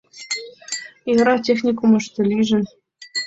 Йӧра, техникумышто лийже.